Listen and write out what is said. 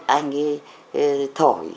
anh ấy thổi